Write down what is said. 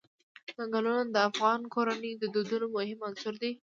ځنګلونه د افغان کورنیو د دودونو مهم عنصر دی.